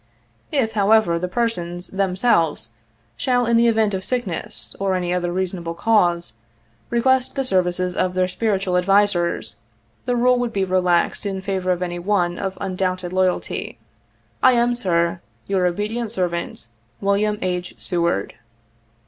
If, however, the persons themselves shall in the event of sickness, or any other reasonable cause, require the services of their spiritual advisers, the rule would be relaxed in favor of any one of undoubted loyalty. " I am Sir, u Your obedient servant, "WILLIAM H. SEWARD."